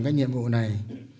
cái nhiệm vụ này